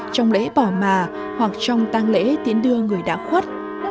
trong lễ bỏ mà hoặc trong tăng lễ tiễn đưa người đã khuất